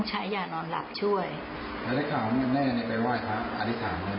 แม่ก็ไปอธิษฐานขอให้ขายได้